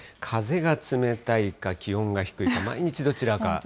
風が冷たいか、気温が低いか、毎日どちらか。